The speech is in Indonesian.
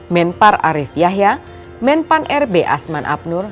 menpar arief yahya menpan rb asman abnur